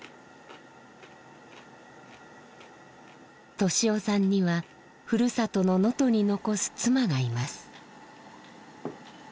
利雄さんにはふるさとの能登に残す妻がいます。